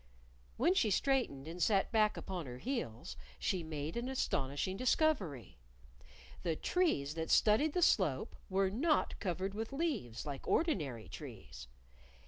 When she straightened and sat back upon her heels, she made an astonishing discovery: The trees that studded the slope were not covered with leaves, like ordinary trees!